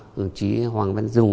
đồng chí hoàng văn dung